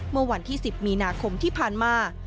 เมื่อวันที่๑๐มีนาคมที่ผ่านมา